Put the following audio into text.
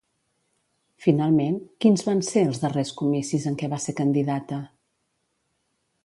Finalment, quins van ser els darrers comicis en què va ser candidata?